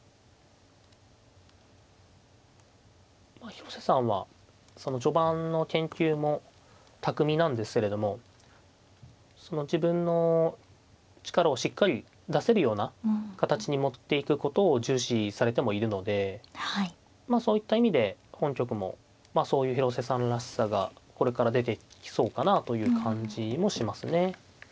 広瀬さんは序盤の研究も巧みなんですけれどもその自分の力をしっかり出せるような形に持っていくことを重視されてもいるのでまあそういった意味で本局もそういう広瀬さんらしさがこれから出てきそうかなという感じもしますね。